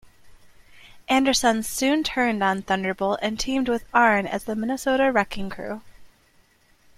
Anderson soon turned on Thunderbolt and teamed with Arn as the Minnesota Wrecking Crew.